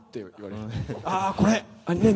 あー、これ。